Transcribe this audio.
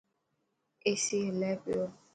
ايسي هلي پيو.